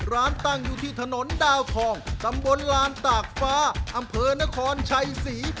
ร้านตั้งอยู่ที่ถนนดาวทองตำบลลานตากฟ้าอำเภอนครชัยศรี